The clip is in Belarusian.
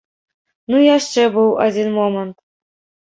Ну і яшчэ быў адзін момант.